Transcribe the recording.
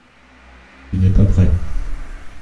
Tu n’es pas prêt ?